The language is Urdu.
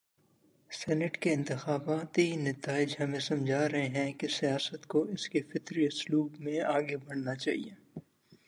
سینیٹ کے انتخاباتی نتائج ہمیں سمجھا رہے ہیں کہ سیاست کو اس کے فطری اسلوب میں آگے بڑھنا چاہیے۔